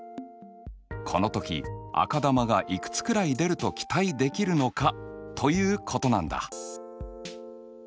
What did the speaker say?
この時赤球がいくつくらい出ると期待できるのかということなんだ。